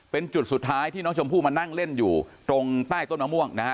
เป็นจุดสุดท้ายที่น้องชมพู่มานั่งเล่นอยู่ตรงใต้ต้นมะม่วงนะฮะ